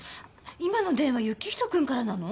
今の電話行人君からなの？